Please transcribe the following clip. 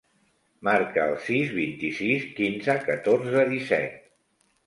Marca el sis, vint-i-sis, quinze, catorze, disset.